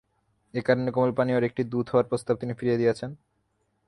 এ কারণে কোমল পানীয়র একটি দূত হওয়ার প্রস্তাব তিনি ফিরিয়ে দিয়েছেন।